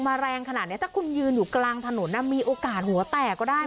มีประชาชนในพื้นที่เขาถ่ายคลิปเอาไว้ได้ค่ะ